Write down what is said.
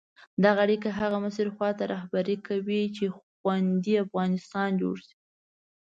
دغه اړیکي هغه مسیر خواته رهبري کړو چې خوندي افغانستان جوړ شي.